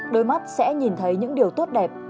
đôi mắt sẽ nhìn thấy những điều tốt đẹp